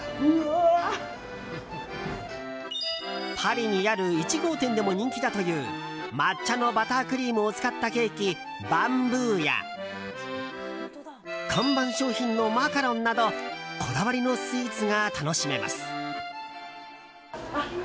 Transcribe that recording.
パリにある１号店でも人気だという抹茶のバタークリームを使ったケーキ、バンブーや看板商品のマカロンなどこだわりのスイーツが楽しめます。